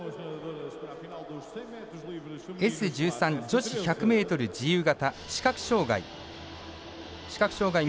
Ｓ１３女子１００ｍ自由形、視覚障がい。